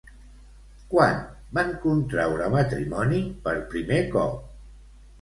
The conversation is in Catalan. Quan va contraure matrimoni per primer cop?